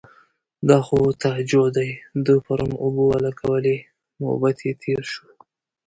_دا خو تاجو دی، ده پرون اوبه ولګولې. نوبت يې تېر شو.